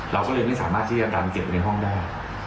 เราก็เลยไม่สามารถที่จะดันเก็บไว้ในห้องได้